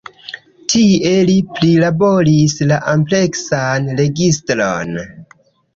Tie li prilaboris la ampleksan registron.